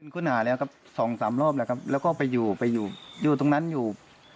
ค้นหาแล้วครับสองสามรอบแล้วครับแล้วก็ไปอยู่ไปอยู่อยู่ตรงนั้นอยู่